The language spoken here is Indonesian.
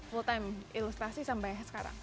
full time ilustrasi sampai sekarang